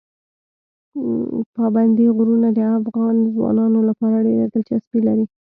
پابندي غرونه د افغان ځوانانو لپاره ډېره دلچسپي لري.